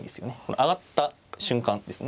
上がった瞬間ですね。